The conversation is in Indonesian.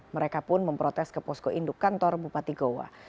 mereka pun memprotes ke posko induk kantor bupati goa